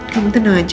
kamu tenang aja